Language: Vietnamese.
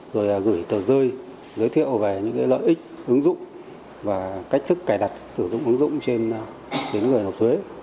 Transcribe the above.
rồi gửi tờ rơi giới thiệu về những lợi ích ứng dụng và cách thức cài đặt sử dụng ứng dụng trên đến người nộp thuế